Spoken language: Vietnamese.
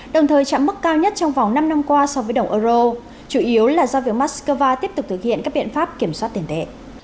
đồng thời chạm mức cao nhất trong vòng năm năm qua so với đồng euro chủ yếu là do việc moscow tiếp tục thực hiện các biện pháp kiểm soát tiền tệ